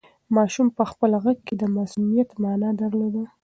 ماشوم په خپل غږ کې د معصومیت مانا درلوده.